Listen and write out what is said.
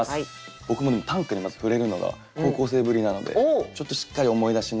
僕も短歌にまず触れるのが高校生ぶりなのでちょっとしっかり思い出しながら。